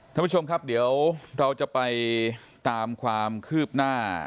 ท่านผู้ชมครับเดี๋ยวเราจะไปตามความคืบหน้า